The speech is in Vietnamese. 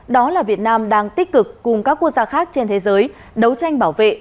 đó là việt nam đang tích cực cùng các quốc gia khác trên thế giới đấu tranh bảo vệ